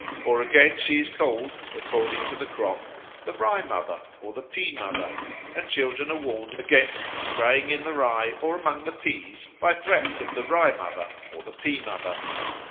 Or again she is called, according to the crop, the Rye mother or the Pea mother, and children are warned against straying in the rye or among the peas by threats of the Rye mother or the Pea mother.